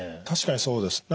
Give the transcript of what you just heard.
確かにそうです。